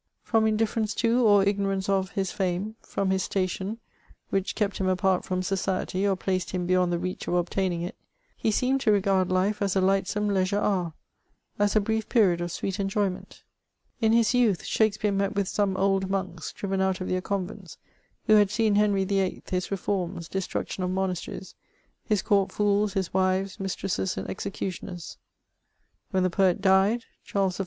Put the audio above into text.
From indifference to, or ignorance of, his fame, from his station, which kept him apart from society, or placed him beyond the reach of obtaining it, he seemed to regard life as a lightsome leisure hour — as a brief period of sweet enjoy ment. In his youth, Shakspeare met with some old monks, driven out of their convents, who had seen Henry VIII., his reforms, destruction of monasteries, his court fools, his wives, mis tresses, and executioners. When the poet died, Charles I.